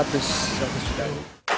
ini sekitar seratus